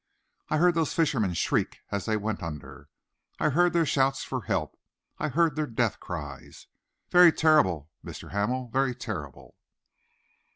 I heard those fishermen shriek as they went under. I heard their shouts for help, I heard their death cries. Very terrible, Mr. Hamel! Very terrible!"